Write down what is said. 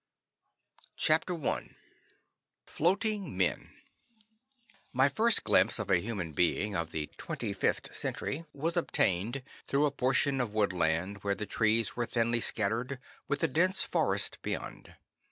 CHAPTER I Floating Men My first glimpse of a human being of the 25th Century was obtained through a portion of woodland where the trees were thinly scattered, with a dense forest beyond.